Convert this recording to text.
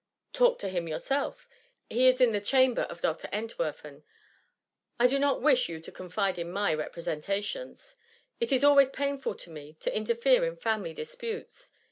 ^ Talk to him yourself ; he is in the chamber of Dr. Entwerfen : I do not wish you to con fide in my representations. It is always pain ful to me to interfere in family disputes.